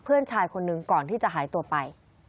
เพื่อนชายคนหนึ่งก่อนที่จะหายตัวไป